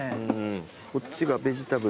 こっちがベジタブル？